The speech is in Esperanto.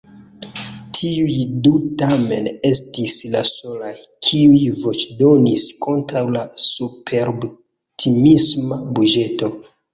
Tiuj du tamen estis la solaj, kiuj voĉdonis kontraŭ la superoptimisma buĝeto.